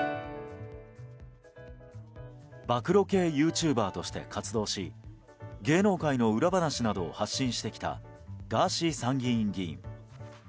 暴露系ユーチューバーとして活動し芸能界の裏話などを発信してきたガーシー参議院議員。